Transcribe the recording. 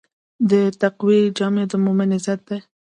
د تقوی جامه د مؤمن عزت دی.